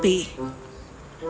koko seharusnya tidak mengingatkanmu